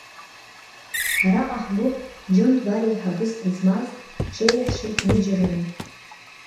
Араҟа ҳгәыԥ, Џьон Дбар еиҳабыс дызмаз, ҳҽеиҩаҳшеит ҩыџьараны.